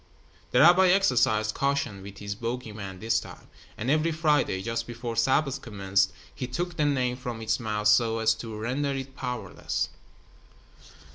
The rabbi exercised caution with his bogey man this time, and every Friday, just before Sabbath commenced, he took the name from its mouth so as to render it powerless.